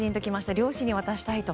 両親に渡したいと。